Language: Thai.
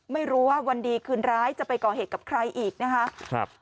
ไม่รู้ว่าวันดีคืนร้ายจะไปก่อเหตุกับใครอีกนะคะ